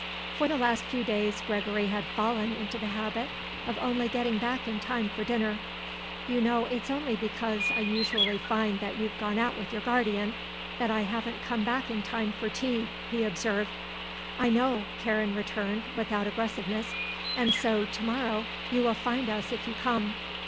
For the last few days Gregory had fallen into the habit of only getting back in time for dinner. "You know it's only because I usually find that you've gone out with your guardian that I haven't come back in time for tea," he observed. "I know," Karen returned, without aggressiveness. "And so, to morrow, you will find us if you come."